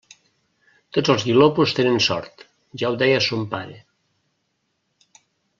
Tots els guilopos tenen sort: ja ho deia son pare.